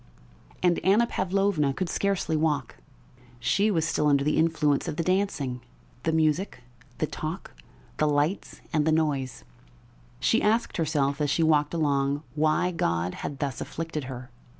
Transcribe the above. And Anna Pavlovna could scarcely walk.... She was still under the influence of the dancing, the music, the talk, the lights, and the noise; she asked herself as she walked along why God had thus afflicted her.